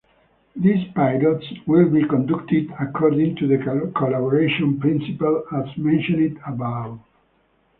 These pilots will be conducted according to the collaboration principles as mentioned above.